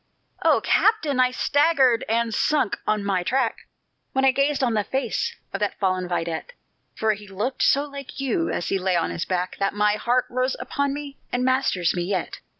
"O captain! I staggered, and sunk on my track, When I gazed on the face of that fallen vidette, For he looked so like you, as he lay on his back, That my heart rose upon me, and masters me yet.